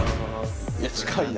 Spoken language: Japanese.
いや近いな。